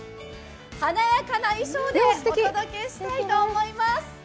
華やかな衣装でお届けしたいと思います。